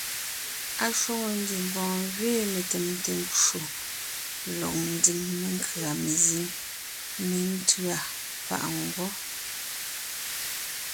Ashwòŋo ngiembɔɔn gẅiin metèmte ncwò lɔg ńdiŋ menkʉ̀a mezíŋ métʉ̂a páʼ ngwɔ́.